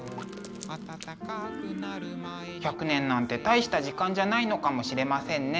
１００年なんて大した時間じゃないのかもしれませんね。